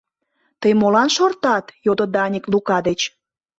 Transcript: — Тый молан шортат? — йодо Даник Лука деч.